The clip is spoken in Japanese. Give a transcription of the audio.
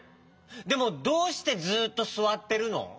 でもどうしてずっとすわってるの？